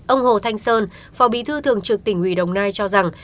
ông hồ thanh sơn phò bí thư thường trực tỉnh huy đồng nai cho rằng